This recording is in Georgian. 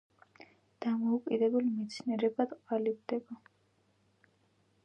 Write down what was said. დამოუკიდებელ მეცნიერებად ყალიბდება.